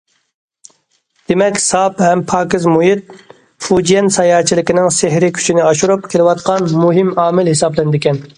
دېمەك، ساپ ھەم پاكىز مۇھىت فۇجيەن ساياھەتچىلىكىنىڭ سېھرىي كۈچىنى ئاشۇرۇپ كېلىۋاتقان مۇھىم ئامىل ھېسابلىنىدىكەن.